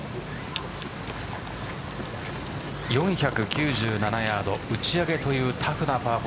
４９７ヤード打ち上げというタフなパ−４